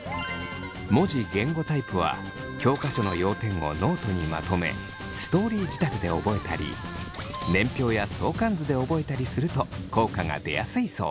文字・言語タイプは教科書の要点をノートにまとめストーリー仕立てで覚えたり年表や相関図で覚えたりすると効果が出やすいそう。